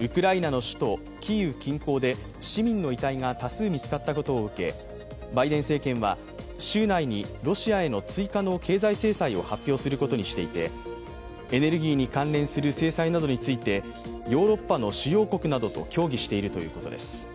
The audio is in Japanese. ウクライナの首都キーウ近郊で市民の遺体が多数見つかったことを受け、バイデン政権は週内にロシアへの追加の経済制裁を発表することにしていて、エネルギーに関連する制裁などについてヨーロッパの主要国などと協議しているということです。